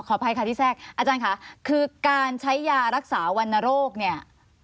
อภัยค่ะที่แทรกอาจารย์ค่ะคือการใช้ยารักษาวรรณโรคเนี่ย